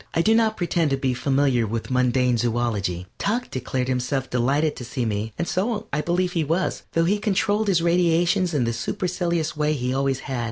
I do not pretend to be familiar with mundane zoölogy. Tuck declared himself delighted to see me, and so I believe he was, though he controlled his radiations in the supercilious way he always had.